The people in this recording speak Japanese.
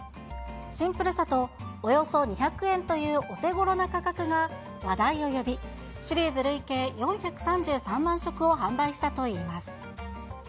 シンプルさと、およそ２００円というお手ごろな価格が話題を呼び、シリーズ累計４３３万食を販売したといいます。